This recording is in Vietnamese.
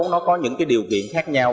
nó có những điều kiện khác nhau